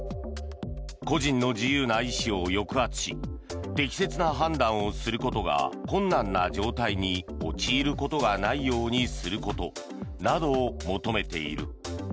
個人の自由な意思を抑圧し適切な判断をすることが困難な状態に陥ることがないようにすることなどを求めている。